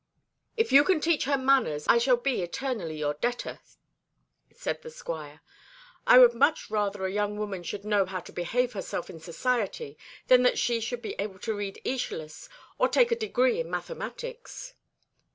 "If you can teach her manners, I shall be eternally your debtor," said the Squire. "I would much rather a young woman should know how to behave herself in society than that she should be able to read Æschylus or take a degree in mathematics."